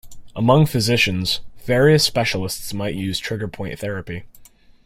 Among physicians, various specialists might use trigger point therapy.